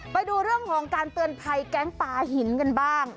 ไปดูเรื่องของการเตือนภัยแก๊งปลาหินกันบ้าง